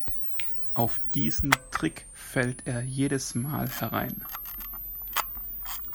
Auf diesen Trick fällt er jedes Mal herein.